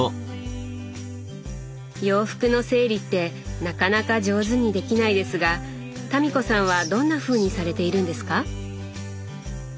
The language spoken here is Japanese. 洋服の整理ってなかなか上手にできないですが民子さんはどんなふうにされているんですか？